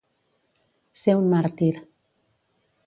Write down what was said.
Ser un màrtir.